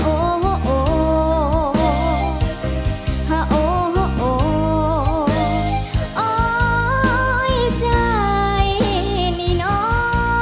โอ้ยใจนี่น้อง